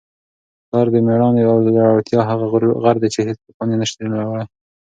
پلار د مېړانې او زړورتیا هغه غر دی چي هیڅ توپان یې نسي لړزولی.